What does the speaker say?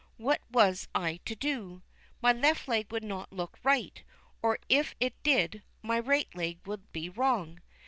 What was I to do? My left leg would not look right, or if it did, my right would be wrong.